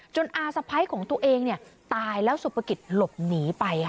จนอาศัพย์ของตัวเองเนี่ยตายแล้วสุภกิจหลบหนีไปค่ะ